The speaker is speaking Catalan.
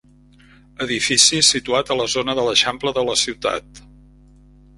Edifici situat a la zona de l'eixample de la ciutat.